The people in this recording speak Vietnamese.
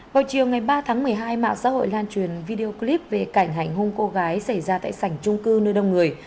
vào chiều ngày ba tháng một mươi hai mạng xã hội lan truyền video clip về cảnh hành hung cô gái xảy ra tại sảnh trung cư nơi đông người